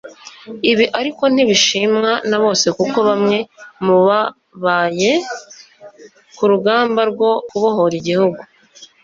Ibi ariko ntibishimwa na bose kuko bamwe mu babaye kurugamba rwo kubohora igihugu